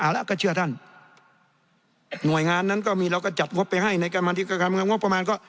แล้วก็เชื่อท่านหน่วยงานนั้นก็มีเราก็จัดงบไปให้ในการมาธิการเงินงบประมาณก็